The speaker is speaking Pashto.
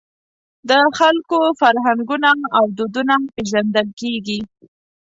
د خلکو فرهنګونه او دودونه پېژندل کېږي.